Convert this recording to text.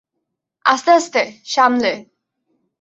আস্তে আস্তে, সামলে।